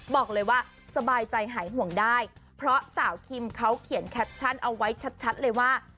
บอกเลยว่าสบายใจหายห่วงได้เพราะสาวคิมเขาเขียนแคปชั่นเอาไว้ชัดเลยว่า